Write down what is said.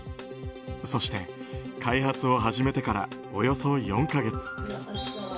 そして、開発を始めてからおよそ４か月。